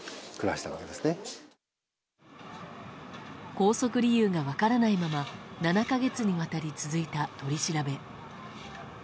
拘束理由が分からないまま７か月にわたり続いた取り調べ。